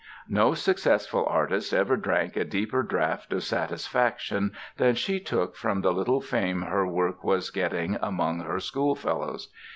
No successful artist ever drank a deeper draught of satisfaction than she took from the little fame her work was getting among her schoolfellows.